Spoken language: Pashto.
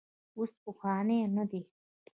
اوس پخوانی نه دی.